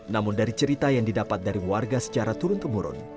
namun dari cerita yang didapat dari warga secara turun temurun